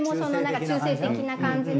中性的な感じの？